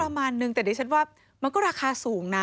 ประมาณนึงแต่ดิฉันว่ามันก็ราคาสูงนะ